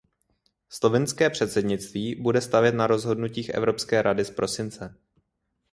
Slovinské předsednictví bude stavět na rozhodnutích Evropské rady z prosince.